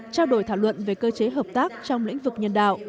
trao đổi thảo luận về cơ chế hợp tác trong lĩnh vực nhân đạo